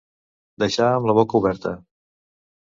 Deixar amb la boca oberta.